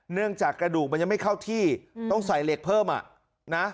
เนื่องจากกระดูกมันยังไม่เข้าที่ต้องใส่เหล็กเพิ่มอ่ะนะ